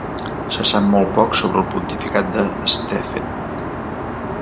Se sap molt poc sobre el pontificat de Stephen.